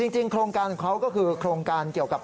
จริงโครงการของเขาก็คือโครงการเกี่ยวกับ